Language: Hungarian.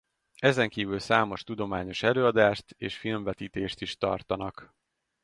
Ezenkívül számos tudományos előadást és filmvetítést is tartanak.